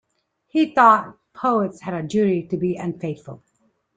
He thought poets had a duty to be unfaithful.